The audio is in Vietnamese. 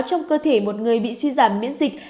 trong cơ thể một người bị suy giảm miễn dịch